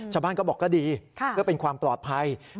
ชาวบ้านก็บอกก็ดีเพื่อเป็นความปลอดภัย